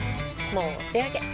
もうお手上げ。